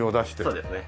そうですね。